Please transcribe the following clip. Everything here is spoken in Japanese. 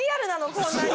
こんなに。